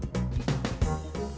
mungkin akan jalan gantanya